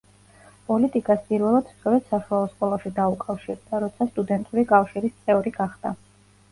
პოლიტიკას პირველად სწორედ საშუალო სკოლაში დაუკავშირდა, როცა სტუდენტური კავშირის წევრი გახდა.